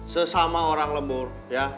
sesama orang lembur ya